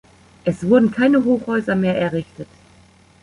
Es wurden keine Hochhäuser mehr errichtet.